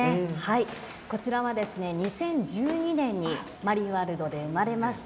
こちらは２０１２年にマリンワールドで生まれました。